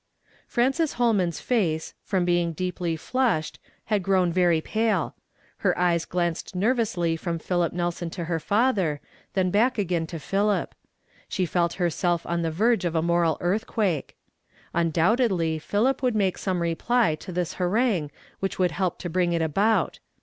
Frances Ilolman's face, from being deeply flushed, had grown very pale. Her eyes glanced nervously from Philip Nelson to her father, then back again to Philip. Slu; felt lusi self on the verge of a moral earthquake. Undoubtedly Pliilip would make some reply to this harangue which would help to bring it about.